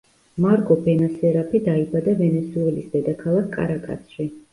მარგო ბენასერაფი დაიბადა ვენესუელის დედაქალაქ კარაკასში.